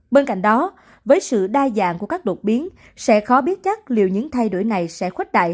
bên cạnh đó với sự đa dạng của các đột biến sẽ khó biết chắc liệu những thay đổi này sẽ khuếch đại